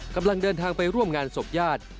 กำลังเดินทางไปร่วมงานศพญาติ